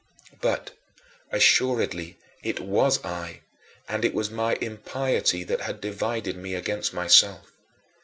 But, assuredly, it was I, and it was my impiety that had divided me against myself.